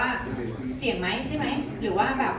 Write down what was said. อ๋อแต่มีอีกอย่างนึงค่ะ